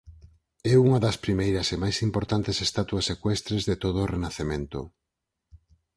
É unha das primeiras e máis importantes estatuas ecuestres de todo o Renacemento.